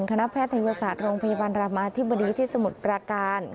คณะแพทยศาสตร์โรงพยาบาลรามาธิบดีที่สมุทรปราการ